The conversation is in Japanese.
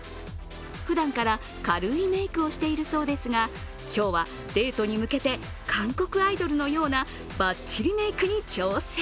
ふだんから軽いメークをしているそうですが今日はデートに向けて韓国アイドルのようなバッチリメークに挑戦。